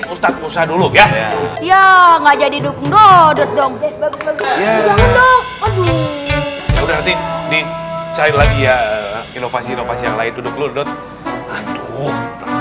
ustadz musa dulu ya ya nggak jadi dukung dodot dong ya aduh aduh aduh aduh aduh aduh aduh aduh aduh aduh